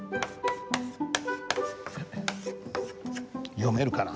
読めるかな？